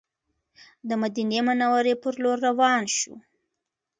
د مدینې منورې پر لور روان شوو.